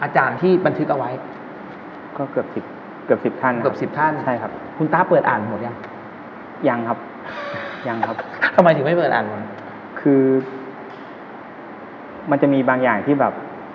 อเจมส์คือมันจะมีบางอย่างที่แบบ